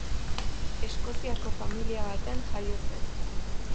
Eskoziako familia batean jaio zen.